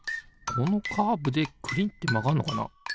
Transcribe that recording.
このカーブでくりんってまがんのかな？